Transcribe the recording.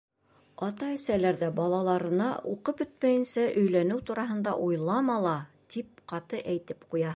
Ата-әсәләр ҙә балаларына, уҡып бөтмәйенсә өйләнеү тураһында уйлама ла, тип ҡаты әйтеп ҡуя.